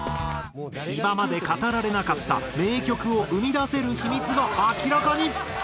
今まで語られなかった名曲を生み出せる秘密が明らかに。